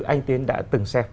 anh tiến đã từng xem